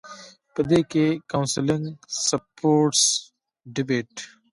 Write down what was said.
پۀ دې کښې کاونسلنګ ، سپورټس ، ډيبېټ ،